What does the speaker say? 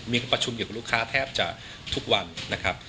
ประชุมอยู่กับลูกค้าแทบจะทุกวันนะครับ